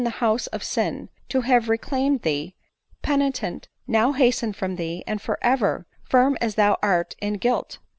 147 the house of sin, to have reclaimed thee, penitent, now hasten from thee, and for ever — firm as thou art in guilt."